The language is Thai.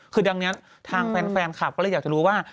คือดังนี้ทางแฟนคลับก็เลยอยากจะรู้ว่า